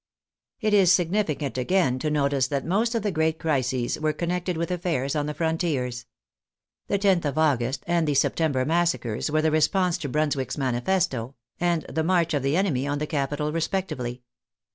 It is significant, again, to notice that most of the great crises were connected with affairs on the frontiers. The loth of August and the September massacres were the response to Brunswick's manifesto, and the march of the enemy on the capital respectively.